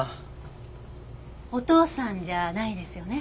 お父さんじゃないですよね？